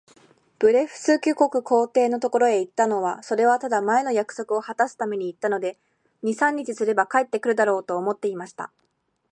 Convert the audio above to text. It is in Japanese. ブレフスキュ国皇帝のところへ行ったのは、それはただ、前の約束をはたすために行ったので、二三日すれば帰って来るだろう、と思っていました。